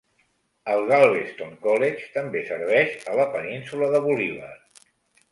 El Galveston College també serveix a la península de Bolívar.